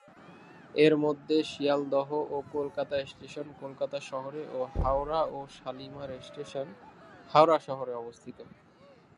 এর মধ্যে শিয়ালদহ ও কলকাতা স্টেশন কলকাতা শহরে ও হাওড়া ও শালিমার স্টেশন হাওড়া শহরে অবস্থিত।